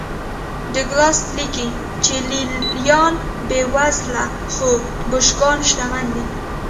ډاګلاس لیکي چې لې لیان بېوزله خو بوشونګان شتمن دي